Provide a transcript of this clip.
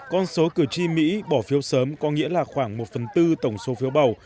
con số cử tri mỹ bỏ phiếu sớm có nghĩa là khoảng một phần tư tổng số phiếu bầu